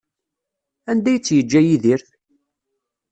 Anda ay tt-yeǧǧa Yidir?